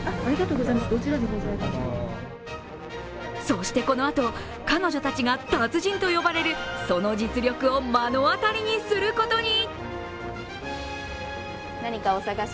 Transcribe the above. そしてこのあと、彼女たちが達人と呼ばれる、その実力を目の当たりにすることに。